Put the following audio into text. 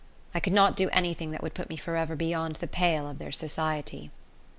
I could not do anything that would put me for ever beyond the pale of their society.